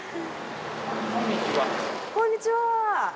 こんにちは！